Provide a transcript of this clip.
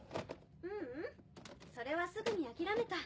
・ううんそれはすぐに諦めた・・